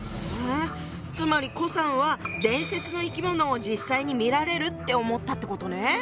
つまり顧さんは伝説の生き物を実際に見られるって思ったってことね。